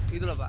gitu lah pak